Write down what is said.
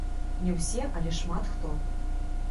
Не ўсе, але шмат хто.